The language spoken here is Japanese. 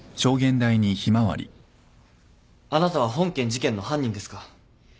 あなたは本件事件の犯人ですか？